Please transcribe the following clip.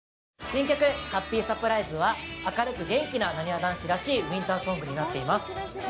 新曲「ハッピーサプライズ」は明るく元気な、なにわ男子らしいウィンターソングになっています。